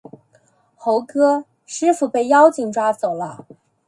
猴哥，师父被妖精抓走了